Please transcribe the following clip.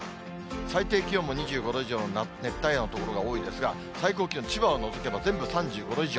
最低気温も２５度以上の熱帯夜の所が多いですが、最高気温、千葉を除けば全部３５度以上。